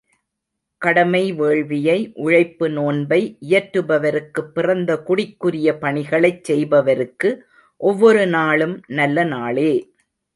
கடமை வேள்வியை, உழைப்பு நோன்பை இயற்றுபவருக்குப் பிறந்த குடிக்குரிய பணிகளைச் செய்பவருக்கு ஒவ்வொரு நாளும் நல்ல நாளே!